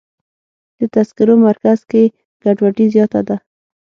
د تذکرو مرکز کې ګډوډي زیاته ده.